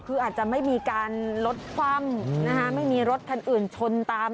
คืออาจจะไม่มีการรถคว่ำนะคะไม่มีรถคันอื่นชนตาม